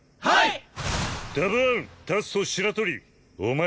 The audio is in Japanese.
はい！